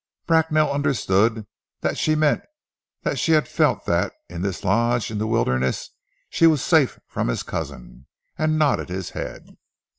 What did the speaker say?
Bracknell understood that she meant that she had felt that in this lodge in the wilderness she was safe from his cousin, and nodded his head.